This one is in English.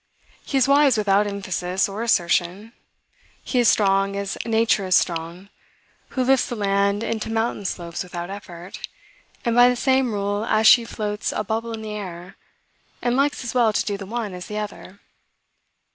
He is wise without emphasis or assertion; he is strong, as nature is strong, who lifts the land into mountain slopes without effort, and by the same rule as she floats a bubble in the air, and likes as well to do the one as the other.